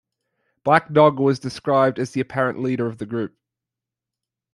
Blackdog was described as the apparent leader of the group.